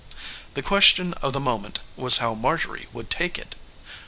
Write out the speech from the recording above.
The question of the moment was how Marjorie would take it.